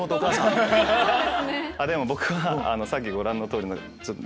でも僕はさっきご覧のとおりの。